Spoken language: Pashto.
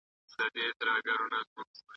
او پر ښکلې نوراني ږیره به توی کړي